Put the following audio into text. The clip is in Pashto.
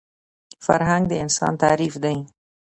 فرهنګ د انسان تعریف دی